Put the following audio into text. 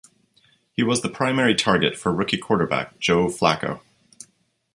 He was the primary target for rookie quarterback Joe Flacco.